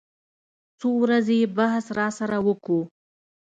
څو ورځې يې بحث راسره وکو.